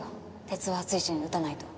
鉄は熱いうちに打たないと。